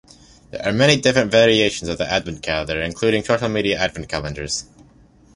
There are many variations of Advent calendar, including social media advent calendars.